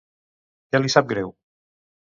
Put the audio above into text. Què li sap greu?